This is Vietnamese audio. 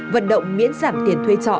vận động miễn giảm tiền thuê trọ